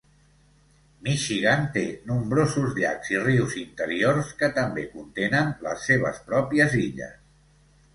Michigan té nombrosos llacs i rius interiors que també contenen les seves pròpies illes.